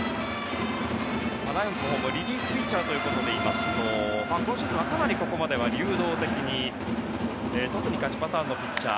ライオンズのほうもリリーフピッチャーということでいいますと今シーズンはかなりここまで流動的に特に勝ちパターンのピッチャー